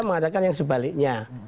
mengatakan yang sebaliknya